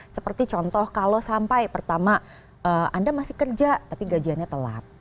seperti contoh kalau sampai pertama anda masih kerja tapi gajiannya telat